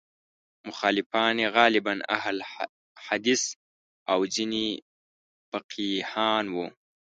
مخالفان یې غالباً اهل حدیث او ځینې فقیهان وو.